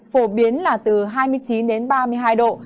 phổ biến là từ hai mươi chín đến ba mươi hai độ